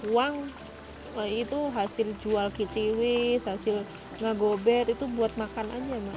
uang itu hasil jual kiciwis hasil ngegober itu buat makan apa